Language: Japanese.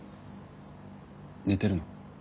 寝てるの？